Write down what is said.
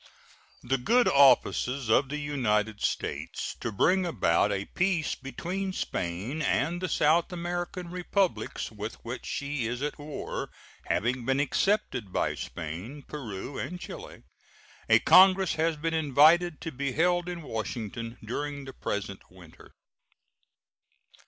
The good offices of the United States to bring about a peace between Spain and the South American Republics with which she is at war having been accepted by Spain, Peru, and Chile, a congress has been invited to be held in Washington during the present winter.